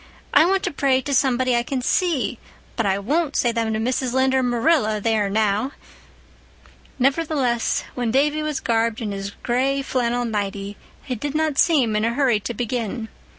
"I want to pray to somebody I can see, but I won't say them to Mrs. Lynde or Marilla, there now!" Nevertheless, when Davy was garbed in his gray flannel nighty, he did not seem in a hurry to begin.